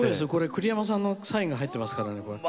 栗山さんのサインが入ってますから。